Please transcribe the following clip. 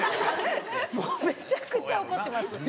もうめちゃくちゃ怒ってます。